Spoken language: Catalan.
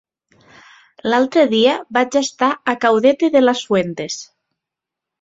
L'altre dia vaig estar a Caudete de las Fuentes.